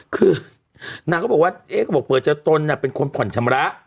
คือนางก็บอกว่าเปิดจากต้นเป็นคนผ่อนชำระ